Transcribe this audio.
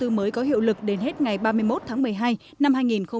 thông tư mới có hiệu lực đến hết ngày ba mươi một tháng một mươi hai năm hai nghìn hai mươi